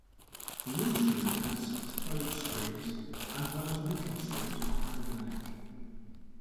The instrument had six bowed strings as well as metal strings behind the neck.